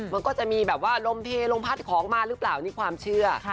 มันก็จะมีแบบว่าลมเทลมพัดของมาหรือเปล่านี่ความเชื่อ